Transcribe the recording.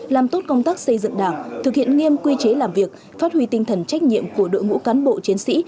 làm tốt công tác xây dựng đảng thực hiện nghiêm quy chế làm việc phát huy tinh thần trách nhiệm của đội ngũ cán bộ chiến sĩ